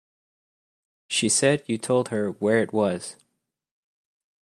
She said you told her where it was.